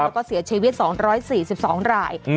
แล้วก็เสียชีวิต๒๔๒ราย